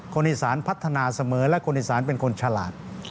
คนอีสานพัฒนาเสมอและคนอีสานเป็นคนฉลาด